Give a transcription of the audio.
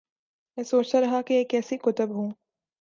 میں سوچتارہا کہ یہ کیسی کتب ہوں۔